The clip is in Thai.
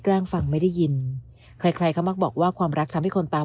แกล้งฟังไม่ได้ยินใครเขามาบอกว่าความรักทำให้คนตา